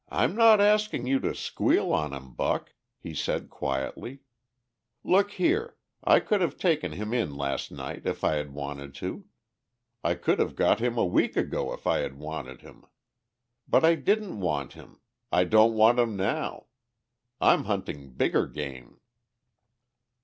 "I'm not asking you to squeal on him, Buck," he said quietly. "Look here, I could have taken him in last night if I had wanted to. I could have got him a week ago if I had wanted him. But I didn't want him I don't want him now. I'm hunting bigger game."